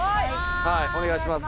はいお願いします